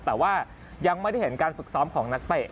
แต่ว่ายังไม่ได้เห็นการฝึกซ้อมของนักเตะ